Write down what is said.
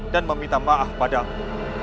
dan meminta maaf padamu